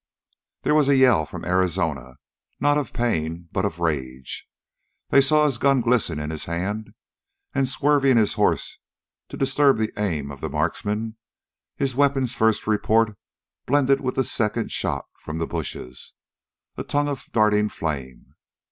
There was a yell from Arizona, not of pain, but of rage. They saw his gun glistening in his hand, and, swerving his horse to disturb the aim of the marksman, his weapon's first report blended with the second shot from the bushes, a tongue of darting flame.